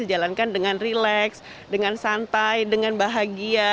dijalankan dengan rileks dengan santai dengan bahagia